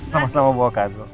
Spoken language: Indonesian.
sama sama buah kado